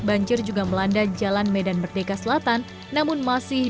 banjir juga melanda jalan merdeka barat gambir